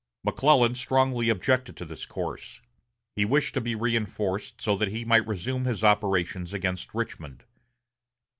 McClellan strongly objected to this course. He wished to be reinforced so that he might resume his operations against Richmond.